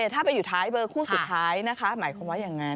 ถ้าไปอยู่ท้ายเบอร์คู่สุดท้ายนะคะ